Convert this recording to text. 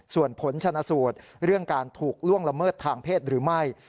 ส่วนผลชนะสูตรเรื่องการถูกล่วงละเมิดทางเพศหรือไม่